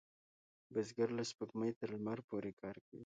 بزګر له سپوږمۍ تر لمر پورې کار کوي